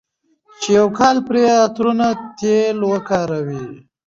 چې يو کال پرې عطرونه، تېل وکاروي،